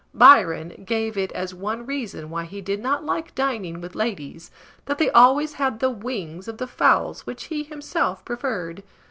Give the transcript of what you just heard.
Byron gave it as one reason why he did not like dining with ladies, that they always had the wings of the fowls, which he himself preferred.